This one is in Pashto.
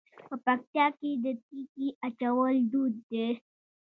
په پکتیا کې د تیږې اچول دود دی.